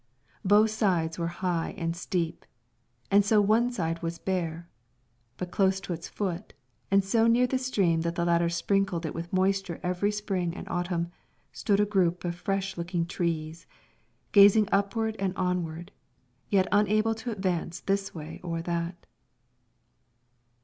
Both sides were high and steep, and so one side was bare; but close to its foot, and so near the stream that the latter sprinkled it with moisture every spring and autumn, stood a group of fresh looking trees, gazing upward and onward, yet unable to advance this way or that.